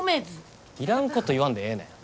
いらんこと言わんでええねん。